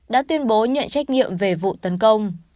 đã tuyên bố nhận trách nhiệm về vụ tấn công